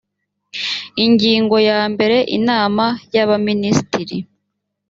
ingingo ya mbere inama ya ba minisitiri